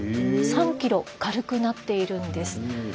３ｋｇ軽くなっているんです。